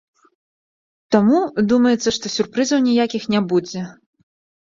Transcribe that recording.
Таму, думаецца, што сюрпрызаў ніякіх не будзе.